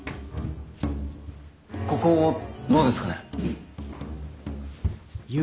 ここどうですかね？